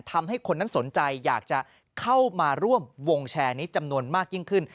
ทำให้คนนั้นสนใจอยากจะเข้ามาร่วมวงแชร์นี้จำนวนมากยิ่งขึ้น